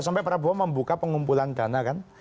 sampai prabowo membuka pengumpulan dana kan